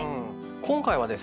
今回はですね